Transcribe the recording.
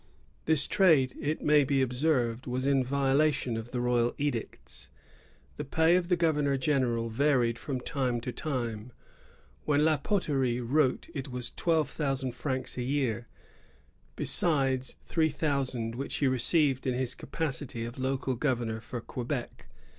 This trade, it may be observed, was in violation of the royal edicts. The pay of the governor general varied from time to time. When La Potherie wrote, it was twelve thousand francs a year, besides three thousand which he received in his capacity of local governor of Quebec.